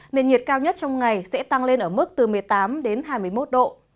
nền nhiệt cao nhất trong ngày sẽ tăng lên ở mức từ một mươi tám đến hai mươi một độ